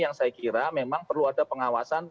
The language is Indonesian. yang saya kira memang perlu ada pengawasan